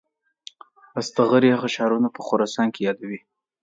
اصطخري هغه ښارونه په خراسان کې یادوي.